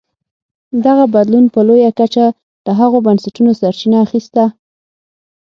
دغه بدلون په لویه کچه له هغو بنسټونو سرچینه اخیسته.